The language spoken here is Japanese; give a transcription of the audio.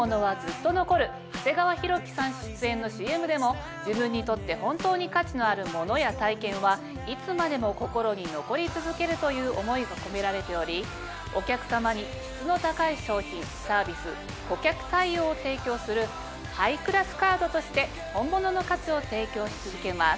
長谷川博己さん出演のＣＭでも自分にとって本当に価値のあるものや体験はいつまでも心に残り続けるという思いが込められておりお客さまに質の高い商品サービス顧客対応を提供するハイクラスカードとして本物の価値を提供し続けます。